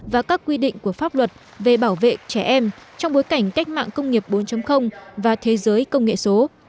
và các quy định của pháp luật về bảo vệ trẻ em trong bối cảnh cách mạng công nghiệp bốn và thế giới công nghệ số